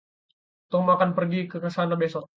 Tom akan pergi ke sana besok.